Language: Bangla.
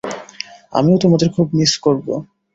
আমিও তোমাদের খুব মিস করবো।